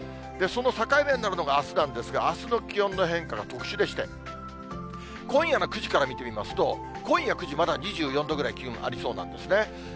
その境目になるのがあすなんですが、あすの気温の変化が特殊でして、今夜の９時から見てみますと、今夜９時、まだ２４度くらい、気温ありそうなんですね。